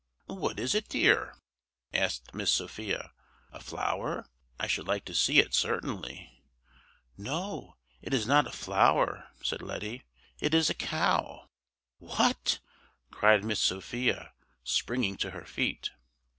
"What is it, dear?" asked Miss Sophia. "A flower? I should like to see it, certainly." "No, it is not a flower," said Letty; "it's a cow." "What?" cried Miss Sophia, springing to her feet.